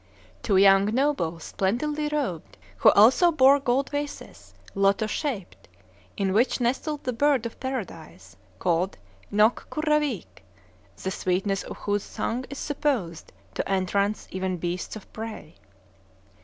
Two young nobles, splendidly robed, who also bore gold vases, lotos shaped, in which nestled the bird of paradise called Nok Kurraweèk, the sweetness of whose song is supposed to entrance even beasts of prey.